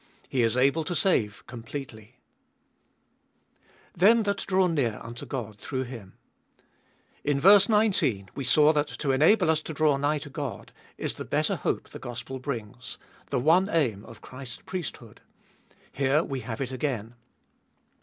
He is able to save completely ! Them that draw near unto God through Him. In ver. 19 we saw that to enable us to draw nigh to God is the better hope the gospel brings — the one aim of Christ's priesthood. Here we have it again.